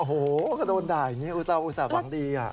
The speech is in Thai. โฮค่ะโดนหาอย่างนี้อุตะวัคสาบำคมดีอะ